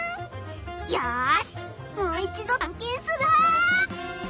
よしもう一度たんけんするぞ！